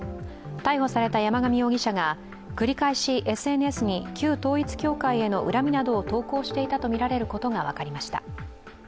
逮捕された山上容疑者が繰り返しＳＮＳに旧統一教会への恨みなどを投稿していたとみられることが分かりました。